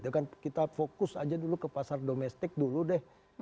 kita fokus aja dulu ke pasar domestik dulu deh